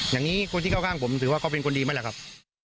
อย่างนี้คนที่เข้าข้างผมถือว่าเขาเป็นคนดีไหมล่ะครับ